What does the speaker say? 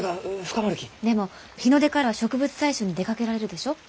でも日の出から植物採集に出かけられるでしょう？